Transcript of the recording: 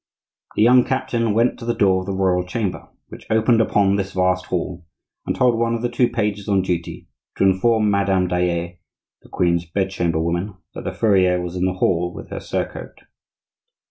The young captain went to the door of the royal chamber, which opened upon this vast hall, and told one of the two pages on duty to inform Madame Dayelles, the queen's bedchamber woman, that the furrier was in the hall with her surcoat.